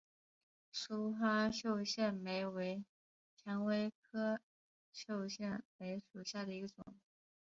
疏花绣线梅为蔷薇科绣线梅属下的一个种。